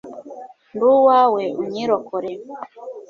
ndi uwawe, unyirokorere